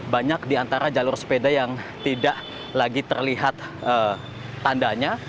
banyak di antara jalur sepeda yang tidak lagi terlihat tandanya